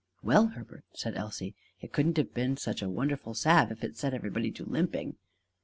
"Well, Herbert," said Elsie, "it couldn't have been such a wonderful salve if it set everybody to limping."